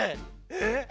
えっ？